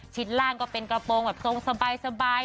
ชิดล่างก็เป็นกระพงแบบทรงสบาย